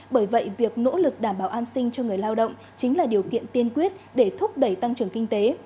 bởi vậy việc nỗ lực đảm bảo an sinh cho người lao động chính là điều kiện tiên quyết để thúc đẩy tăng trưởng kinh tế